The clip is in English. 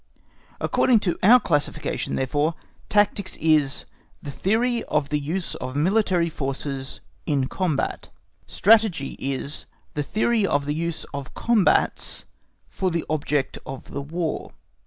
According to our classification, therefore, tactics is the theory of the use of military forces in combat. Strategy is the theory of the use of combats for the object of the War.